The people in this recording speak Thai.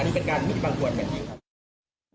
อันนี้เป็นการมิบังควรอย่างนี้ครับ